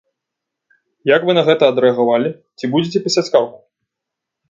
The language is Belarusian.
Як вы на гэта адрэагавалі, ці будзеце пісаць скаргу?